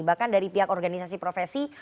bahkan dari pihak organisasi profesi